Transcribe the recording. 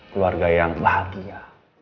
keluarga yang bahagia